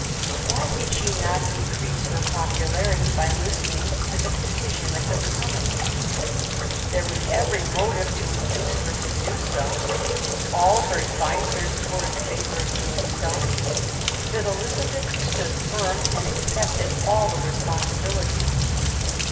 Why did she not increase her popularity by listening to the petition of the Commons? There was every motive to induce her to do so. All her advisers were in favour of doing so ; but Elizabeth stood firm and accepted all the responsi bility.